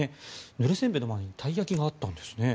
ぬれ煎餅の前にたい焼きがあったんですね。